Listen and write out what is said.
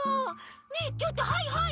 ねえちょっとはいはい！